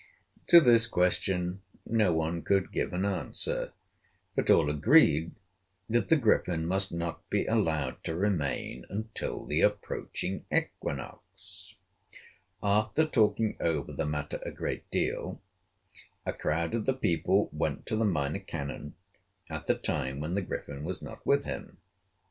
To this question no one could give an answer, but all agreed that the Griffin must not be allowed to remain until the approaching equinox. After talking over the matter a great deal, a crowd of the people went to the Minor Canon, at a time when the Griffin was not with him.